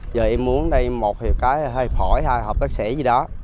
giờ em muốn đây một cái hiệp hội hai hộp bác sĩ gì đó